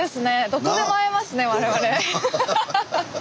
どこでも会えますね我々。